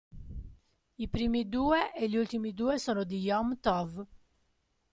I primi due e gli ultimi due sono di Yom Tov.